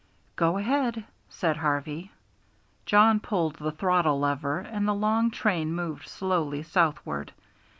"Go ahead," said Harvey. Jawn pulled the throttle lever, and the long train moved slowly southward.